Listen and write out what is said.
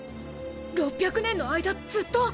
６００年の間ずっと！？